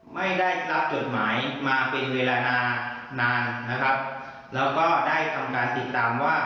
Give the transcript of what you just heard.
ไม่ได้รับจดหมายมาเป็นเวลานานนานนะครับแล้วก็ได้ทำการติดตามว่า